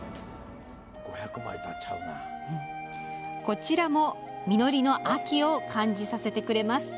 こちらも実りの秋を感じさせてくれます。